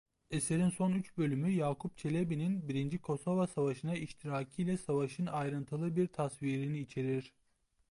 Eserin son üç bölümü Yakub Çelebi'nin birinci Kosova Savaşı'na iştirakiyle savaşın ayrıntılı bir tasvirini içerir.